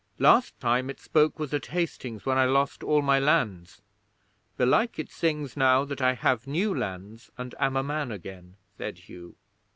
Last time it spoke was at Hastings, when I lost all my lands. Belike it sings now that I have new lands and am a man again," said Hugh.